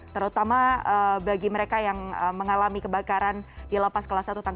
terutama bagi mereka yang mengalami kebakaran di lapas kelas satu tange